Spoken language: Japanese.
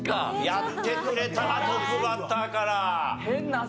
やってくれたなトップバッターから。